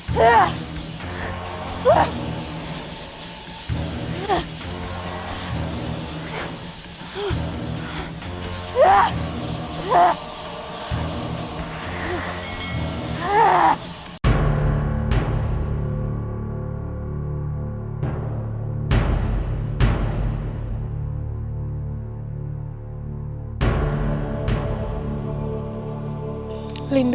bagaimana perbuatan itu